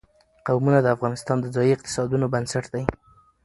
قومونه د افغانستان د ځایي اقتصادونو بنسټ دی.